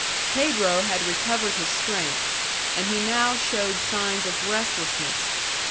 Pedro had recovered his strength, and he now showed signs of restlessness.